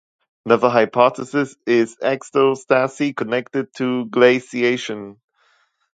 Another hypothesis is isostasy connected to glaciation.